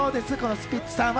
スピッツさんは。